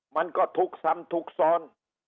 มันก็ทุกข์ซ้ำทุกซ้อน